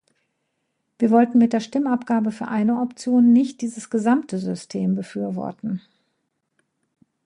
Wir wollten mit der Stimmabgabe für eine Option nicht dieses gesamte System befürworten.